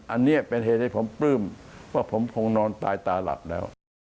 อันนี้เป็นเหตุให้ผมปลื้มว่าผมคงนอนตายตาหลับแล้ว